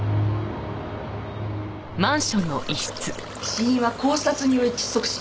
死因は絞殺による窒息死。